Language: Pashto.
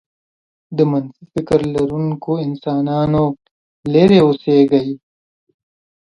د منفي فكر لرونکو انسانانو لرې اوسېږئ.